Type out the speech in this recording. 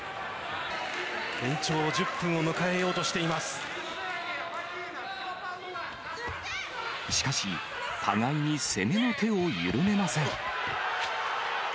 延長１０分を迎えようとしてしかし、互いに攻めの手を緩めません。